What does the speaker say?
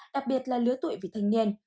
đặc biệt là lứa tuổi vì thanh niên